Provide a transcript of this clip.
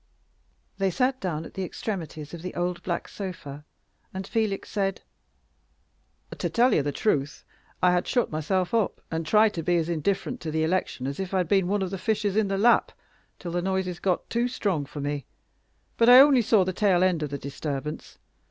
They sat down at the extremities of the old black sofa, and Felix said "To tell you the truth, I had shut myself up, and tried to be as indifferent to the election as if I'd been one of the fishes in the Lapp, till the noises got too strong for me. But I only saw the tail end of the disturbance.